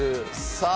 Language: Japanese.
さあ。